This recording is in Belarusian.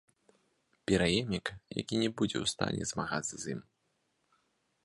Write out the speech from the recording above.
Пераемнік, які будзе не ў стане змагацца з ім.